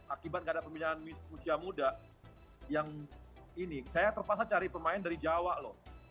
akibat gak ada pembinaan usia muda yang ini saya terpaksa cari pemain dari jawa loh